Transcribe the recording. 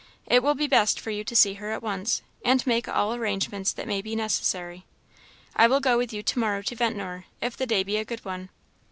It will be best for you to see her at once, and make all arrangements that may be necessary. I will go with you tomorrow to Ventnor, if the day be a good one."